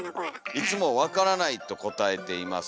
「いつも『分からない』とこたえています。